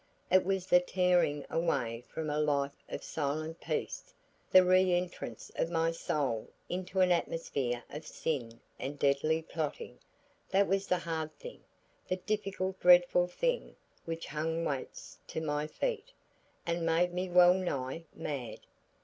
It was the tearing away from a life of silent peace, the reentrance of my soul into an atmosphere of sin and deadly plotting, that was the hard thing, the difficult dreadful thing which hung weights to my feet, and made me well nigh mad.